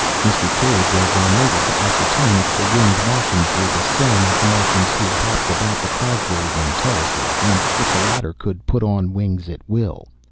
Mr. Cave was unable to ascertain if the winged Martians were the same as the Martians who hopped about the causeways and terraces, and if the latter could put on wings at will.